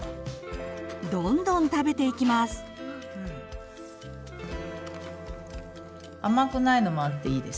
どんどん食べていきます。